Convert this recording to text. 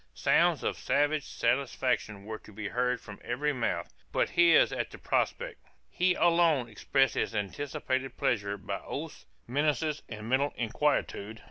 Sounds of savage satisfaction were to be heard from every mouth but his at the prospect; he alone expressed his anticipated pleasure by oaths, menaces, and mental inquietude.